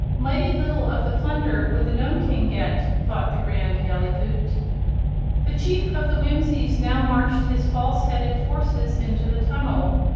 Mighty little of the plunder would the Nome King get, thought the Grand Gallipoot. The Chief of the Whimsies now marched his false headed forces into the tunnel.